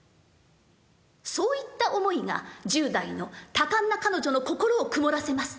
そういった思いが１０代の多感な彼女の心を曇らせます。